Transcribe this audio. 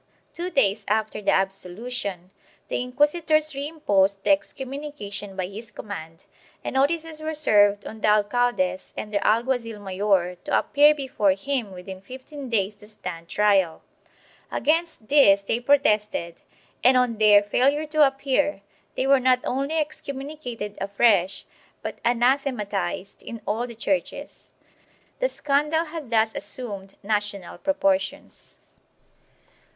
Two days after the absolution, the inquisitors reim posed the excommunication by his command, and notices were served on the alcaldes and their alguazil mayor to appear before him within fifteen days to stand trial. Against this they pro tested and, on their failure to appear, they were not only excom municated afresh but anathematized in all the churches. The scandal had thus assumed national proportions.